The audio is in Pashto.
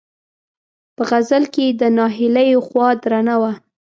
په غزل کې یې د ناهیلیو خوا درنه وه.